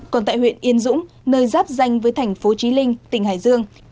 còn tại huyện yên dũng nơi giáp danh với thành phố trí linh tỉnh hải dương